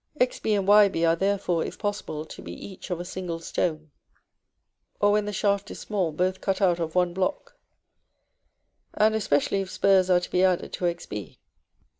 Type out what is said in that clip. Xb and Yb are therefore, if possible, to be each of a single stone; or, when the shaft is small, both cut out of one block, and especially if spurs are to be added to Xb.